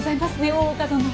大岡殿。